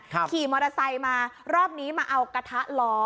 ขี่มอเตอร์ไซค์มารอบนี้มาเอากระทะล้อ